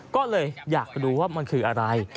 ก็เลยอยากรู้ว่ามันคืออะไร